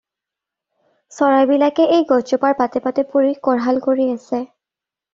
চৰাইবিলাকে এই গছজোপাৰ পাতে পাতে পৰি কোঢ়াল কৰি আছে।